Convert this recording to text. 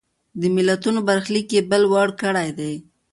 د ملتونو برخلیک یې بل وړ کړی دی.